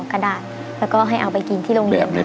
ผ่านยกที่สองไปได้นะครับคุณโอ